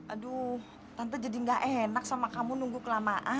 aduh tante jadi gak enak sama kamu nunggu kelamaan